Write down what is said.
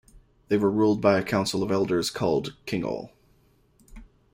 They were ruled by a council of elders called "kingole".